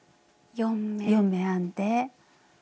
４目編んで。